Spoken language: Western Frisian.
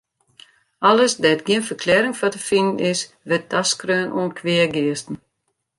Alles dêr't gjin ferklearring foar te finen is, wurdt taskreaun oan kweageasten.